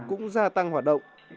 các đối tượng cũng gia tăng hoạt động